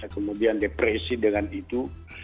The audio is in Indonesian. kemudian depresi dengan itu